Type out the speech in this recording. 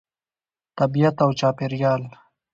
طبیعت او چاپیریال